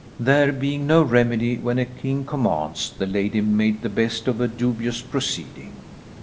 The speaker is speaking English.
There being no remedy when a king commands, the lady made the best of a dubious proceeding.